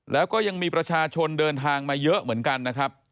แล้วก็ยังมีประชาชนเดินทางมาเยอะเหมือนกันนะครับ